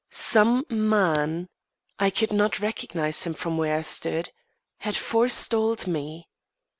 Some man I could not recognise him from where I stood had forestalled me.